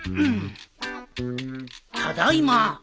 ただいま。